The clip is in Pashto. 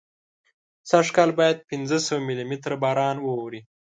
سږکال باید پینځه سوه ملي متره باران واوري.